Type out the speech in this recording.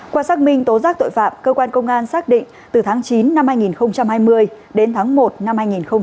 qua xác minh tố giác tội phạm cơ quan công an xác định từ tháng chín năm hai nghìn hai mươi đến tháng một năm hai nghìn hai mươi